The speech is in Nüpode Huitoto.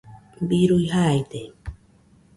birui jaide